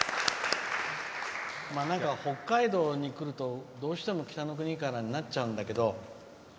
なんか、北海道に来るとどうしても「北の国から」になっちゃうんだけど。